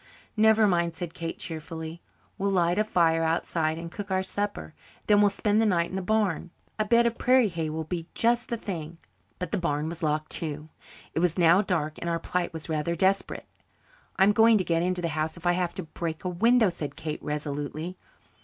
"Never mind," said Kate cheerfully, "we'll light a fire outside and cook our supper and then we'll spend the night in the barn. A bed of prairie hay will be just the thing." But the barn was locked too. It was now dark and our plight was rather desperate. "I'm going to get into the house if I have to break a window," said Kate resolutely.